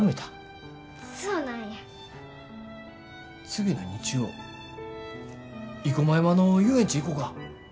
次の日曜生駒山の遊園地行こか。